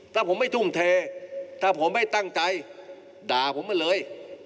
ถ้าผมไม่ทุ่มเทถ้าผมไม่ตั้งใจด่าผมมาเลย